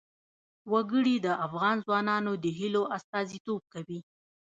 وګړي د افغان ځوانانو د هیلو استازیتوب کوي.